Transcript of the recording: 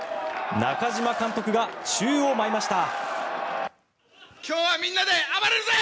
中嶋監督が宙を舞いました。